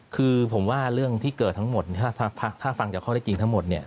คือผมว่าเรื่องที่เกิดทั้งหมดถ้าฟังจากข้อได้จริงทั้งหมดเนี่ย